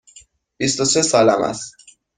بیست و سه سالم است.